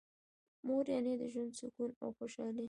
مور یعنی د ژوند سکون او خوشحالي.